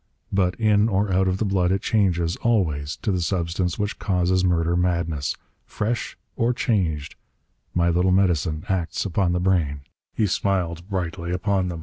But in or out of the blood it changes, always, to the substance which causes murder madness. Fresh or changed, my little medicine acts upon the brain." He smiled brightly upon them.